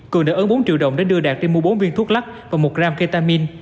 cường đã ấn bốn triệu đồng để đưa đạt đi mua bốn viên thuốc lắc và một gram ketamin